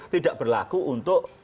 tidak berlaku untuk